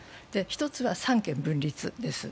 １つは三権分立です。